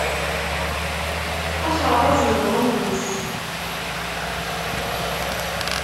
Axeṛṛaz yenɣan mmi-s.